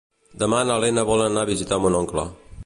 Demà na Lena vol anar a visitar mon oncle.